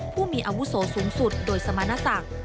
ผู้มีอาวุโสสูงสุดโดยสมณศักดิ์